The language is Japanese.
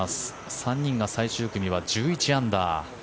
３人が最終組は１１アンダー。